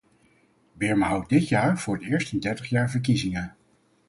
Birma houdt dit jaar voor het eerst in dertig jaar verkiezingen.